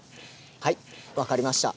はい分かりました。